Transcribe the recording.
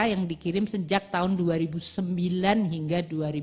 yang dikirim sejak tahun dua ribu sembilan hingga dua ribu dua